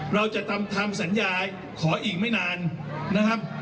เราจะทำสัญญาขออีกไม่นานนะครับ